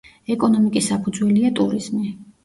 ეკონომიკის საფუძველია ტურიზმი.